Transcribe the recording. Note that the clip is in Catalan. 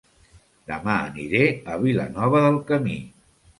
Dema aniré a Vilanova del Camí